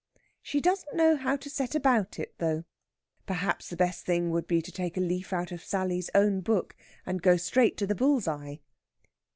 She doesn't know how to set about it, though. Perhaps the best thing would be to take a leaf out of Sally's own book, and go straight to the bull's eye.